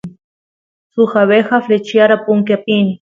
suk abeja flechyara punkiy apini